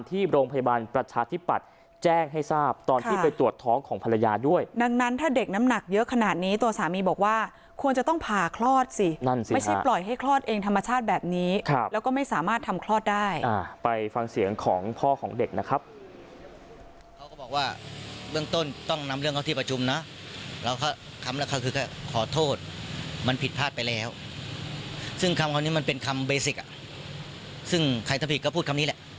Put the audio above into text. ที่ปัดแจ้งให้ทราบตอนที่ไปตรวจท้องของภรรยาด้วยดังนั้นถ้าเด็กน้ำหนักเยอะขนาดนี้ตัวสามีบอกว่าควรจะต้องผ่าคลอดสินั่นสิฮะไม่ใช่ปล่อยให้คลอดเองธรรมชาติแบบนี้ครับแล้วก็ไม่สามารถทำคลอดได้อ่าไปฟังเสียงของพ่อของเด็กนะครับเขาก็บอกว่าเรื่องต้นต้องนำเรื่องเขาที่ประชุมนะแล้วเขา